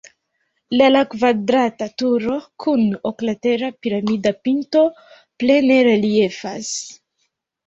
La la kvadrata turo kun oklatera piramida pinto plene reliefas.